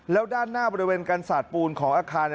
แล้วด้านหน้าบริเวณกันสาดปูนของอาคาร